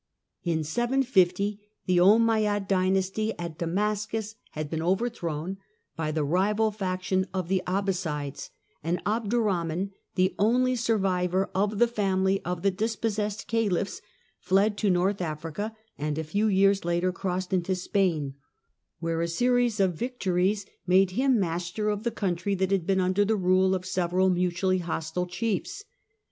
In 750 the Ommeyad dynasty at Damascus had been overthrown by the rival faction of the Abbassides, and Abdurrahman, the only survivor of the family of the dis possessed caliphs, fled to North Africa, and a few years later crossed into Spain, where a series of victories made him master of the country that had been under the rule of several mutually hostile chiefs.